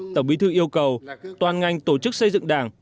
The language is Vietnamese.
tổng bí thư yêu cầu toàn ngành tổ chức xây dựng đảng